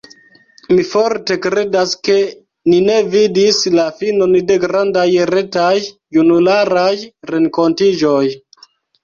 Mi forte kredas ke ni ne vidis la finon de grandaj retaj junularaj renkontiĝoj!